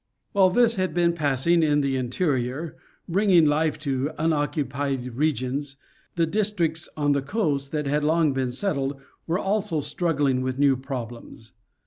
While this had been passing in the interior, bringing life to unoccupied regions, the districts on the coast that had long been settled, were also struggling with new problems.